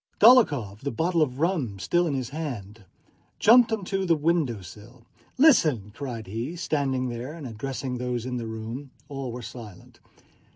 Dólokhov, the bottle of rum still in his hand, jumped onto the window sill. "Listen!" cried he, standing there and addressing those in the room. All were silent.